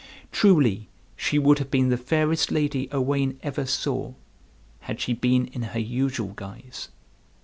Truly she would have been the fairest lady Owain ever saw, had she been in her usual guise.